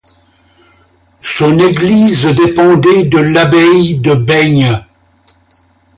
Son église dépendait de l'abbaye de Baignes.